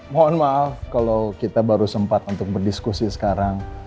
mohon maaf kalau kita baru sempat untuk berdiskusi sekarang